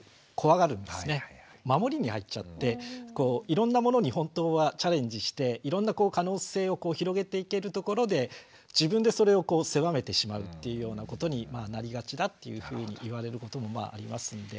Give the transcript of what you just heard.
いろんなものに本当はチャレンジしていろんな可能性を広げていけるところで自分でそれを狭めてしまうっていうようなことになりがちだっていうふうに言われることもありますので。